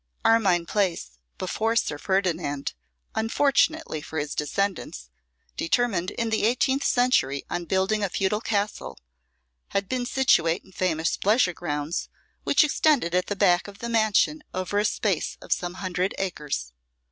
Armine Place, before Sir Ferdinand, unfortunately for his descendants, determined in the eighteenth century on building a feudal castle, had been situate in famous pleasure grounds, which extended at the back of the mansion over a space of some hundred acres.